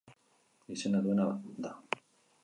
Izena duena, da.